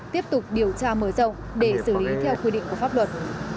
tiếp tục điều tra mở rộng để xử lý theo quy định của pháp luật